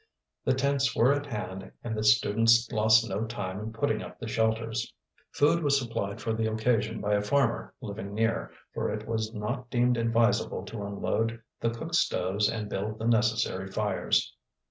The tents were at hand and the students lost no time in putting up the shelters. Food was supplied for the occasion by a farmer living near, for it was not deemed advisable to unload the cook stoves and build the necessary fires.